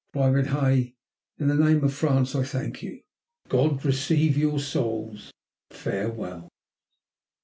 Private Hay! In the name of France I thank you. God receive your souls. Farewell!"